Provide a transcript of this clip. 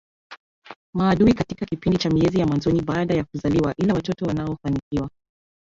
maadui katika kipindi cha miezi ya mwanzoni baada ya kuzaliwa Ila watoto wanao fanikiwa